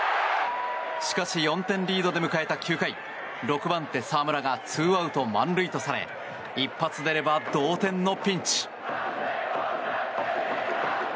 しかし、４点リードで迎えた９回６番手、澤村が２アウト満塁とされ一発出れば同点のピンチ。